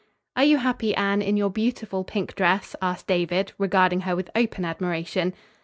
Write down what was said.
"Are you happy, Anne, in your beautiful pink dress?" asked David, regarding her with open admiration.